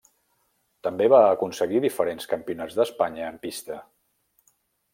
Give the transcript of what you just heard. També va aconseguir diferents campionats d'Espanya en pista.